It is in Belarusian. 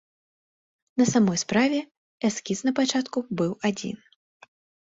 На самой справе эскіз напачатку быў адзін.